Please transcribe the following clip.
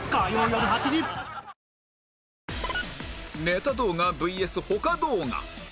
ネタ動画 ＶＳ ほか動画